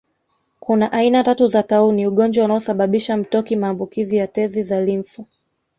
kuna aina tatu za tauni ugonjwa unaosababisha mtoki maambukizi ya tezi za limfu